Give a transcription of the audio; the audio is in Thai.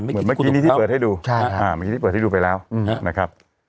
เมื่อกี้นี้ที่เปิดให้ดูเมื่อกี้ที่เปิดให้ดูไปแล้วนะครับ